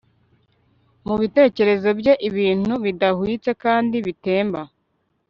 Mubitekerezo bye ibintu bidahwitse kandi bitemba